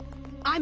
あ！